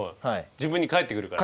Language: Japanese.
自分に返ってくるから？